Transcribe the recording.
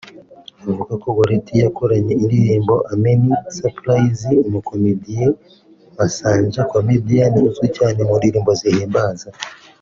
Avuga ko Gorethi yakoranye indirimbo “Ameni Surprise” n’ umukomediye Masanja (comedian) uzwi cyane mu ndirimbo zihimbaza